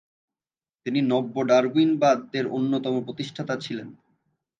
তিনি নব্য-ডারউইনবাদ এর অন্যতম প্রতিষ্ঠাতা ছিলেন।